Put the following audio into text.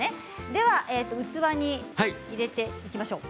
では器に入れていきましょう。